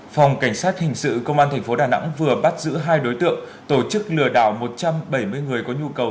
phòng cảnh sát hình sự công an tp đà nẵng vừa bắt giữ hai đối tượng tổ chức lừa đảo một trăm bảy mươi người có nhu cầu